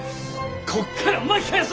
こっから巻き返そ！